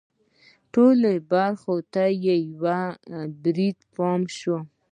ټولو برخو ته تر یوه بریده پام شوی.